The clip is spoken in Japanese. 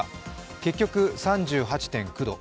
結局、３８．９度。